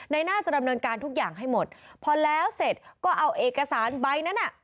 น่าจะดำเนินการทุกอย่างให้หมดพอแล้วเสร็จก็เอาเอกสารใบนั้นอ่ะ